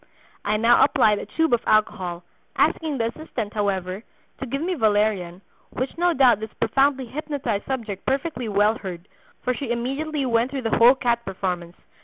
I now applied a tube of alcohol, asking the assistant, however, to give me valerian, which no doubt this profoundly hypnotized subject perfectly well heard, for she immediately went through the whole cat performance.